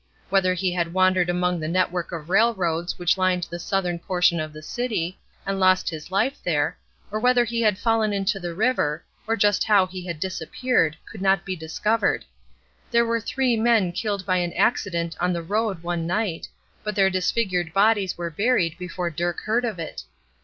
Whether he had wandered among the network of railroads which lined the southern portion of the city, and lost his life there, or whether he had fallen into the river, or just how he had disappeared, could not be discovered. There were three men killed by an accident on the road one night, but their disfigured bodies were buried before Dirk heard of it.